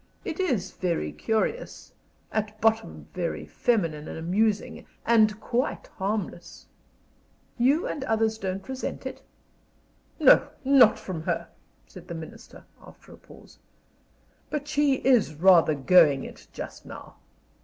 It is very curious at bottom very feminine and amusing and quite harmless." "You and others don't resent it?" "No, not from her," said the Minister, after a pause. "But she is rather going it, just now.